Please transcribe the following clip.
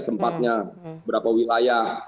tempatnya beberapa wilayah